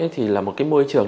thì là một cái môi trường